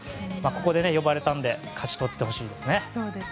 ここで呼ばれたので勝ち取ってほしいですね。